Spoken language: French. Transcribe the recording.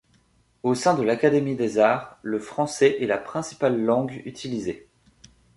Au sein de l'académie des arts, le français est la principale langue utilisée.